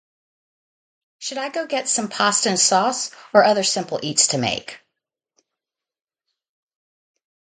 Should I go get some pasta and sauce, or other simple eats to make?